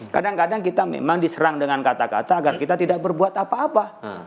kadang kadang kita memang diserang dengan kata kata agar kita tidak berbuat apa apa